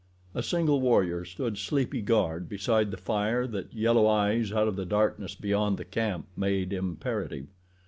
A single warrior stood sleepy guard beside the fire that yellow eyes out of the darkness beyond the camp made imperative.